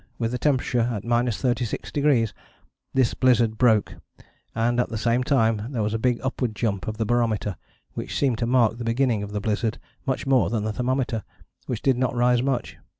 with the temperature at 36°, this blizzard broke, and at the same time there was a big upward jump of the barometer, which seemed to mark the beginning of the blizzard much more than the thermometer, which did not rise much.